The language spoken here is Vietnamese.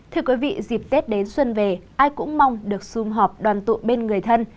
thưa quý vị dịp tết đến xuân về ai cũng mong được xung họp đoàn tụ bên người thân